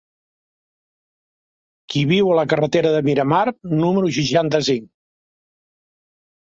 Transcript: Qui viu a la carretera de Miramar número seixanta-cinc?